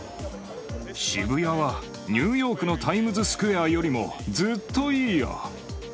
渋谷はニューヨークのタイムズスクエアよりもずっといいよ。